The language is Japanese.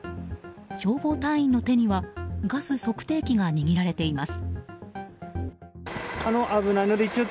消防隊員の手にはガス測定器が握られています。